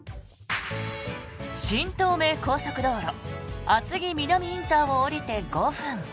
新東名高速道路厚木南ＩＣを降りて５分。